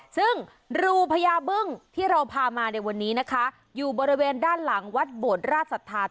ซึ่งรูพระยาเบิ้งที่เราพามาในวันนี้นะคะอยู่บริเวณด้านหลังวัดโบราชสัตว์ธาตุ